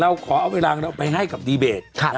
เราขอเอาเวลาเราไปให้กับดีเบต